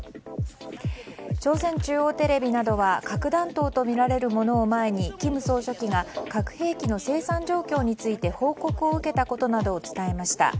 朝鮮中央テレビなどは核弾頭とみられるものを前に金総書記が核兵器の生産状況について報告を受けたことなどを伝えました。